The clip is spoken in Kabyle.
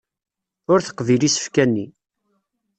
Ur teqbil isefka-nni.